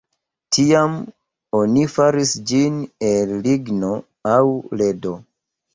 Tiam oni faris ĝin el ligno aŭ ledo.